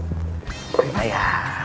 mari pak ya